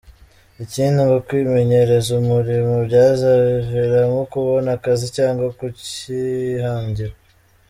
Ikindi ngo kwimenyereza umurimo byazabaviramo kubona akazi cyangwa kukihangira.